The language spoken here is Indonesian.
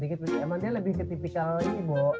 dikit dikit emang dia lebih ke tipikal ini bo